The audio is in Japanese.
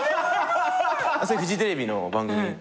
それフジテレビの番組で。